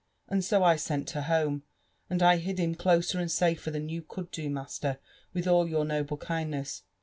And so I sent her home^ and I hid him closer and safer than you could do, master, with all your noble kindness.